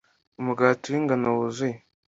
Umugati wI ngano Wuzuye